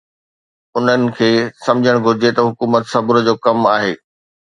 انهن کي سمجهڻ گهرجي ته حڪومت صبر جو ڪم آهي.